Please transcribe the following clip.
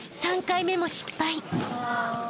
３回目も失敗］